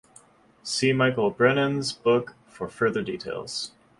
See Michael Brennan's books for further details.